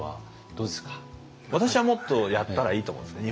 私はもっとやったらいいと思うんですね。